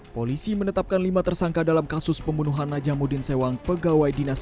polisi menetapkan lima tersangka dalam kasus pembunuhan najamuddin sewang pegawai dinas